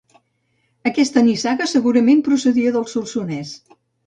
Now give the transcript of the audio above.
Aquesta nissaga segurament procedia del Solsonès.